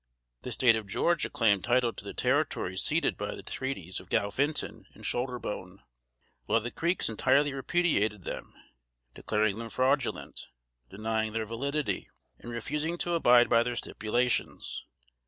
The State of Georgia claimed title to the territory ceded by the treaties of Galphinton and Shoulderbone; while the Creeks entirely repudiated them, declaring them fraudulent, denying their validity, and refusing to abide by their stipulations.